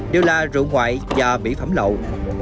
đều là rượu ngoại và bỉ phẩm lậu